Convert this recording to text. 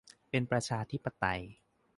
เป็นประชาธิปไตย